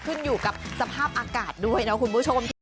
ขึ้นอยู่กับสภาพอากาศด้วยนะคุณผู้ชม